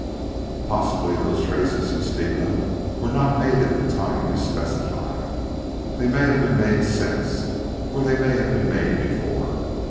"Possibly those traces you speak of were not made at the time you specify. They may have been made since, or they may have been made before.